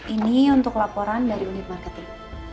ini untuk laporan dari unit marketing